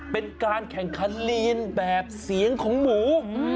เป็นการแข่งขันลีนแบบเสียงของหมู